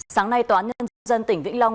sáng nay tòa nhân dân tỉnh vĩnh long